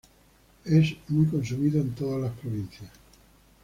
Es muy consumido en todas las provincias.